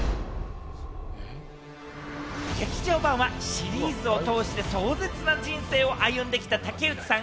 劇場版はシリーズを通して壮絶な人生を歩んできた竹内さん